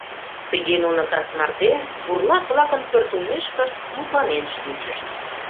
Тыге нуно кас марте, бурлак-влакын пӧртылмешкышт, мутланен шинчышт.